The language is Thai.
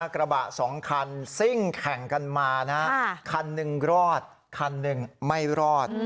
กระบะสองคันซิ่งแข่งกันมาคันหนึ่งรอดคันหนึ่งไม่รอด